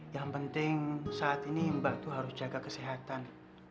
yang penting saat ini mbak itu harus jaga kesehatan